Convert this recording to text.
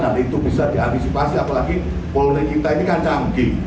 nah itu bisa diantisipasi apalagi polonegita ini kan canggih